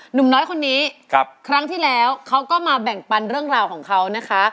หนุ่มน้อยคนนี้ครั้งที่แล้วเขาก็มาแบ่งปันเรื่องราวของเขานะคะ